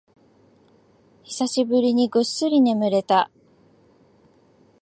久しぶりにぐっすり眠れた